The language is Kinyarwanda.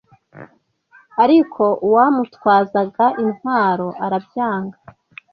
Ariko uwamutwazaga intwaro arabyanga